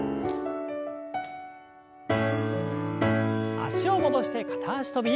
脚を戻して片脚跳び。